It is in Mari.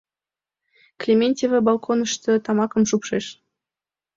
Клементьева балконышто тамакым шупшеш.